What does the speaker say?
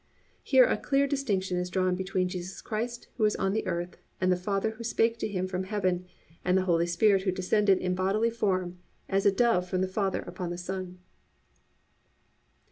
"+ Here _a clear distinction is drawn between Jesus Christ who was on the earth, and the Father who spake to Him from heaven, and the Holy Spirit who descended in bodily form as a dove from the Father upon the Son_.